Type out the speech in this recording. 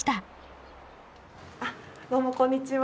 あどうもこんにちは。